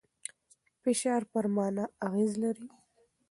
فشار پر مانا اغېز لري.